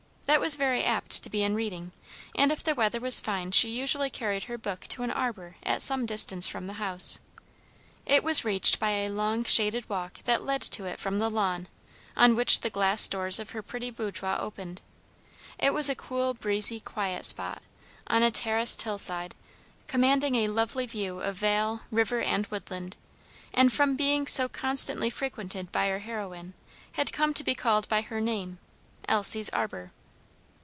That was very apt to be in reading, and if the weather was fine she usually carried her book to an arbor at some distance from the house. It was reached by a long shaded walk that led to it from the lawn, on which the glass doors of her pretty boudoir opened. It was a cool, breezy, quiet spot, on a terraced hillside, commanding a lovely view of vale, river, and woodland, and from being so constantly frequented by our heroine, had come to be called by her name, "Elsie's Arbor."